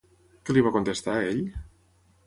Què li va contestar ell?